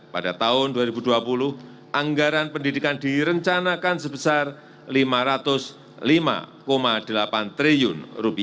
pada tahun dua ribu dua puluh anggaran pendidikan direncanakan sebesar rp lima ratus lima delapan triliun